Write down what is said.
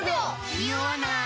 ニオわない！